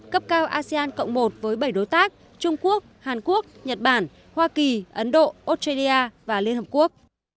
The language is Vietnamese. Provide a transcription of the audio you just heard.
cấp cao asean cộng một với bảy đối tác trung quốc hàn quốc nhật bản hoa kỳ ấn độ australia và liên hợp quốc